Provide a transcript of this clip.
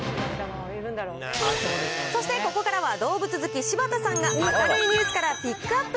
そしてここからは、動物好き、柴田さんが明るいニュースからピックアップ。